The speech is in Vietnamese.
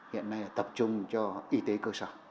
hiện nay tập trung cho y tế cơ sở